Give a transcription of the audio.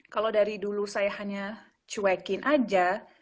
kalau dari dulu saya hanya cuekin aja